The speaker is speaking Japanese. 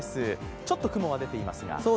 ちょっと雲が出ていますが。